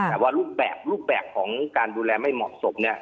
แต่ว่ารูปแบบรูปแบบของการดูแลไม่เหมาะสม